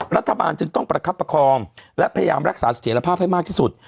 รัฐบาลจึงต้องประคับประคองและพยายามรักษาเสถียรภาพให้มากที่สุด